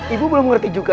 ibu belum ngerti juga